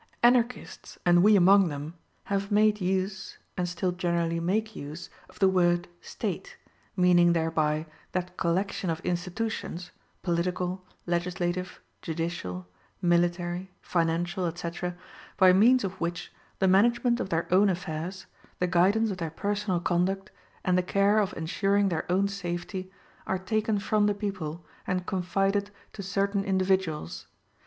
Anarchists, and we among them, have made use, and still generally make use of the word State, meaning thereby that collection of institutions, political, legislative, judicial, military, financial, etc., by means of which the management of their own affairs, the guidance of their personal conduct and the care of ensuring their own safety are taken from the people and confided to certain individuals.